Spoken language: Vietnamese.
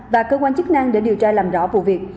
và cơ quan chức năng để điều tra làm rõ vụ việc